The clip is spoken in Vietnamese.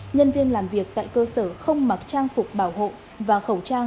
nhân viên làm việc tại cơ sở không mặc trang phục bảo hộ và khẩu trang